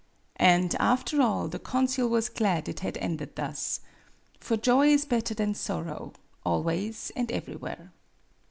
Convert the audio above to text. And, after all, the consul was glad it had ended thus. For joy is better than sorrow always and everywhere.